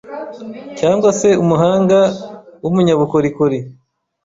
cyangwa se umuhanga w umunyabukorikori.